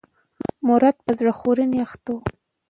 مراد په زړه خوړنې اخته و.